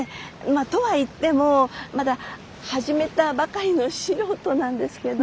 まあとは言ってもまだ始めたばかりの素人なんですけど。